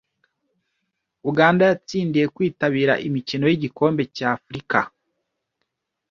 Uganda yatsindiye kwitabira imikino y'igikombe cy'Afurika